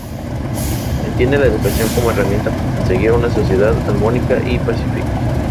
Entiende la educación como herramienta para conseguir una sociedad armónica y pacífica.